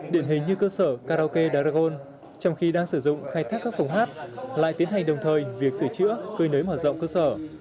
điện hình như cơ sở karaoke daragon trong khi đang sử dụng khai thác các phòng hát lại tiến hành đồng thời việc sửa chữa cơi nới mở rộng cơ sở